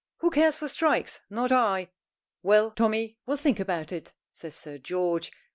Who cares for strikes? Not I!" "Well, Tommy, we'll think about it," says Sir George.